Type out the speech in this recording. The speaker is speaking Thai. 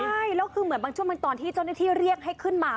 ใช่แล้วคือเหมือนบางช่วงเป็นตอนที่เจ้าหน้าที่เรียกให้ขึ้นมา